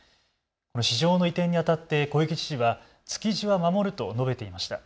市場の移転にあたって小池知事は築地は守ると述べていました。